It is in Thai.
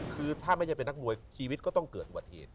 คือถ้าไม่ใช่เป็นนักมวยชีวิตก็ต้องเกิดอุบัติเหตุ